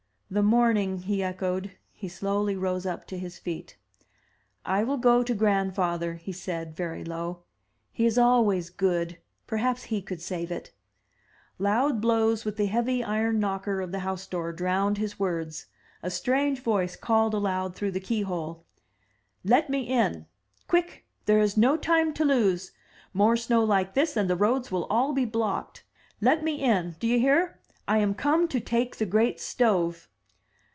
"The morning!" he echoed. He slowly rose up to his feet. "I will go to grandfather,'' he said, very low. "He is always good: perhaps he could save it." Loud blows with the heavy iron knocker of the house door drowned his words. A strange voice called aloud through the keyhole: "Let me in! Quick! — ^thereis no time to lose! More snow like this, and the roads will all be blocked. Let me in! Do you hear? I am come to take the great stove."